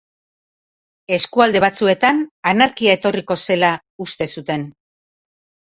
Eskualde batzuetan anarkia etorriko zela uste zuten.